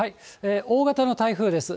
大型の台風です。